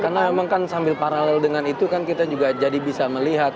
karena memang kan sambil paralel dengan itu kan kita juga jadi bisa melihat